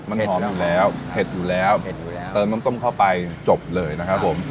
มันหอมอยู่แล้วเผ็ดอยู่แล้วเผ็ดอยู่แล้วเติมน้ำต้มเข้าไปจบเลยนะครับผม